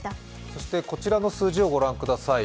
そしてこちらの数字をご覧ください。